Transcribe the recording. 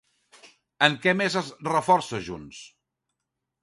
En què més es reforça Junts?